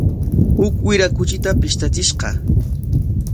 Huk wira kuchita pishtachishqa.